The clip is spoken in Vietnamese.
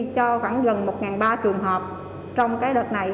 cho khoảng gần một ba trăm linh trường hợp trong cái đợt này